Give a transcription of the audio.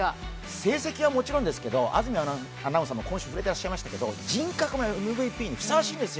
成績はもちろんですけど、安住アナウンサーも今週触れていらっしゃいましたけど人格もＭＶＰにふさわしいんですよ